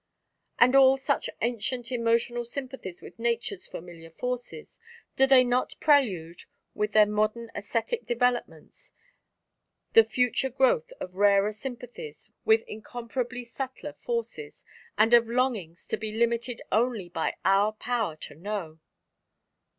And all such ancient emotional sympathies with Nature's familiar forces do they not prelude, with their modern æsthetic developments, the future growth of rarer sympathies with incomparably subtler forces, and of longings to be limited only by our power to know?